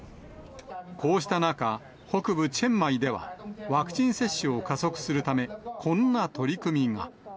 こうした中、北部、チェンマイではワクチン接種を加速するため、こんな取り組みが。